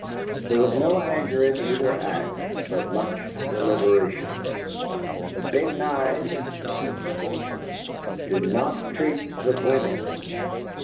There was no anger in either act, but much deliberation. "The Big Knives," he said scornfully, "do not treat with women."